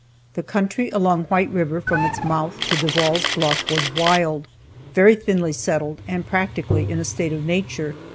The country along White river from its mouth to Devall's Bluff was wild, very thinly settled, and practically in a state of nature.